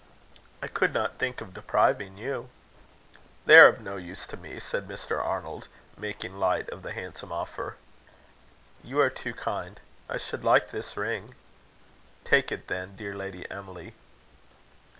"I could not think of depriving you." "They are of no use to me," said Mr. Arnold, making light of the handsome offer. "You are too kind. I should like this ring." "Take it then, dear Lady Emily."